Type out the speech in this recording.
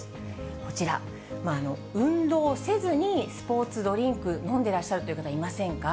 こちら、運動せずにスポーツドリンク飲んでらっしゃるという方、いませんか？